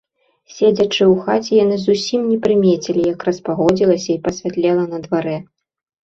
Седзячы ў хаце, яны зусім не прымецілі, як распагодзілася і пасвятлела на дварэ.